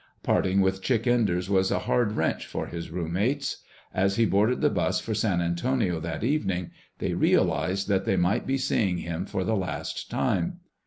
Parting with Chick Enders was a hard wrench for his roommates. As he boarded the bus for San Antonio that evening, they realized that they might be seeing him for the last time.